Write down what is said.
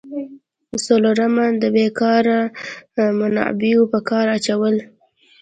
څلورم: د بیکاره منابعو په کار اچول.